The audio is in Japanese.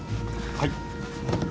はい？